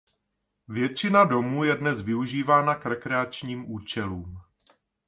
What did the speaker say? Většina domů je dnes využívána k rekreačním účelům.